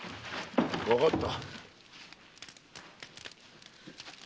わかった。